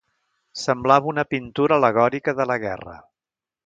Semblava una pintura al·legòrica de la guerra